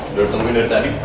udah ditungguin dari tadi